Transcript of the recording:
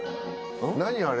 何あれ。